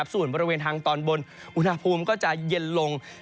ส่วนบริเวณทางตอนบนอุณหภูมิก็จะเย็นลง